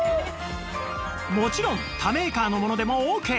もちろん他メーカーのものでもオーケー！